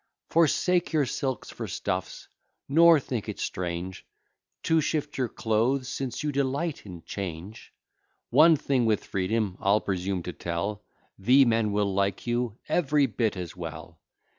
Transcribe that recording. Forsake your silks for stuff's; nor think it strange To shift your clothes, since you delight in change. One thing with freedom I'll presume to tell The men will like you every bit as well.